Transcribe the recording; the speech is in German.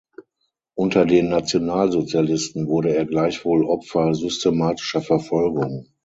Unter den Nationalsozialisten wurde er gleichwohl Opfer systematischer Verfolgung.